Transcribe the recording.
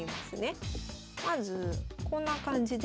まずこんな感じで。